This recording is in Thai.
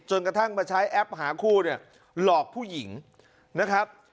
กระทั่งมาใช้แอปหาคู่เนี่ยหลอกผู้หญิงนะครับ